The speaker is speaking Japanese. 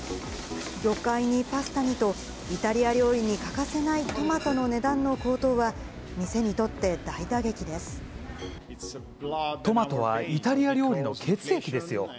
魚介にパスタにと、イタリア料理に欠かせないトマトの値段の高騰は、トマトはイタリア料理の血液ですよ。